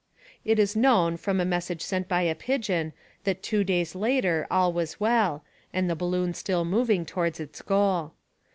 It is known, from a message sent by a pigeon, that two days later all was well and the balloon still moving towards its goal.